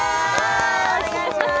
お願いします